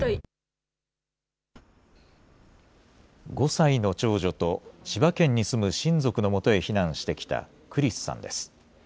５歳の長女と千葉県に住む親族のもとへ避難してきたクリスさんです。